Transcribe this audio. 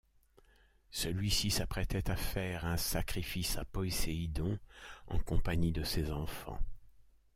Celui-ci s'apprêtait à faire un sacrifice à Poséidon en compagnie de ses enfants.